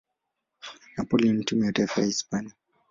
Napoli na timu ya taifa ya Hispania.